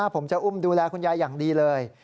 ผมจะอุ้มดูแลคุณยายอย่างดีเลย